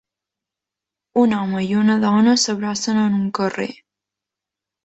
Un home i una dona s'abracen en un carrer.